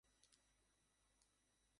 তবে একটা গাড়ি ডাকো।